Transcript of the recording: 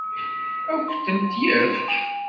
Ad k-tent-yefk?